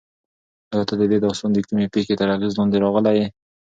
ایا ته د دې داستان د کومې پېښې تر اغېز لاندې راغلی یې؟